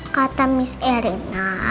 kata miss rena